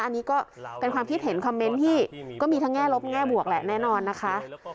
อันนี้ก็เป็นความคิดเห็นคอมเมนต์ที่ก็มีทั้งแง่ลบแง่บวกแหละแน่นอนนะคะ